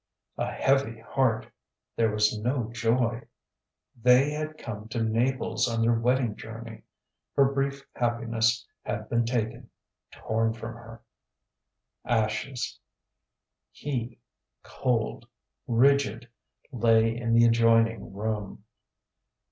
A HEAVY heart there was no joy. THEY had come to Naples on their wedding journey. Her brief happiness had been taken torn from her. ASHES. He cold rigid lay in the adjoining room.